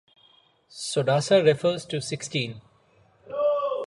Sodasa refers to sixteen.